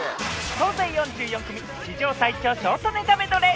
総勢４４組、史上最長ショートネタメドレー。